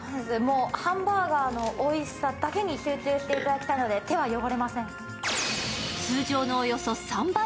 ハンバーガーのおいしさだけに集中していただきたいので、手は汚れません。